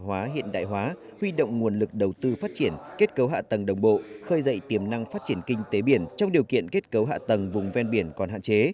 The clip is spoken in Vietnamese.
hóa hiện đại hóa huy động nguồn lực đầu tư phát triển kết cấu hạ tầng đồng bộ khơi dậy tiềm năng phát triển kinh tế biển trong điều kiện kết cấu hạ tầng vùng ven biển còn hạn chế